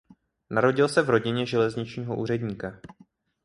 Narodil se v rodině železničního úředníka.